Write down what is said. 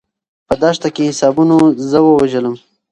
په دښته کې حسابونو زه ووژلم.